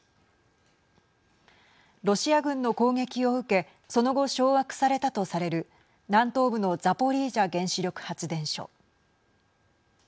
ロシア軍の攻撃を受けその後、掌握されたとされる南東部のザポリージャ原子力発電所。